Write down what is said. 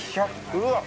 うわっ！